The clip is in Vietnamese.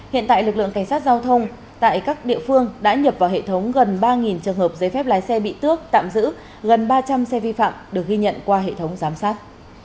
hiện tại lực lượng cảnh sát giao thông tại các địa phương đã nhập vào hệ thống gần ba trường hợp giấy phép lái xe bị tước tạm giữ gần ba trăm linh xe vi phạm được ghi nhận qua hệ thống giám sát